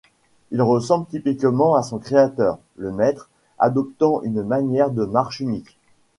Il ressemble typiquement à son créateur, Le Maître, adoptant une manière de marche unique.